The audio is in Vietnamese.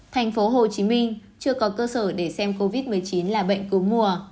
thành phố hồ chí minh chưa có cơ sở để xem covid một mươi chín là bệnh cứu mùa